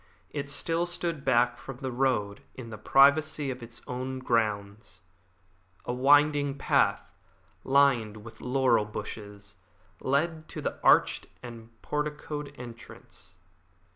It still stood back from the road in the privacy of its own grounds. A winding path, lined with laurel bushes, led to the arched and porticoed entrance.